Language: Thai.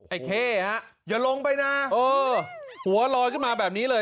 ไอ้เข้ฮะอย่าลงไปนะเออหัวลอยขึ้นมาแบบนี้เลย